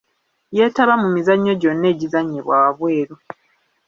Yeetaba mu mizannyo gyonna egizannyibwa wabweru.